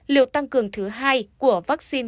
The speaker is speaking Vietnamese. liều tăng cường thứ hai của vaccine